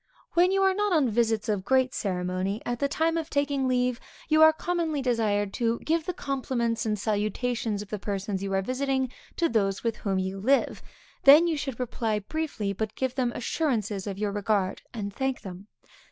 When you are not on visits of great ceremony, at the time of taking leave, you are commonly desired to give the compliments and salutations of the persons you are visiting to those with whom you live, then you should reply briefly, but give them assurances of your regard, and thank them.